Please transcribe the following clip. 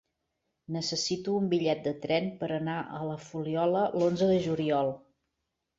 Necessito un bitllet de tren per anar a la Fuliola l'onze de juliol.